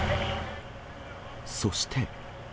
そして。